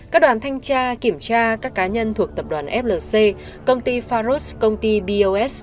các đoàn thanh tra kiểm tra các cá nhân thuộc tập đoàn flc công ty faros công ty bos